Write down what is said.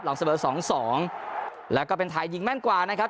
หลังสะเบิดสองสองแล้วก็เป็นถ่ายยิงแม่นกว่านะครับ